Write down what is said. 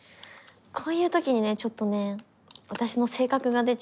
こういう時にねちょっとね私の性格が出ちゃうんですよね。